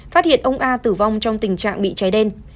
phát hiện ông a tử vong trong tình trạng bị cháy đen